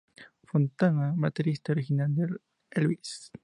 Fontana, baterista original de Elvis.